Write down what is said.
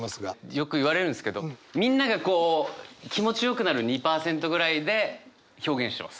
よく言われるんですけどみんながこう気持ちよくなる２％ぐらいで表現してます。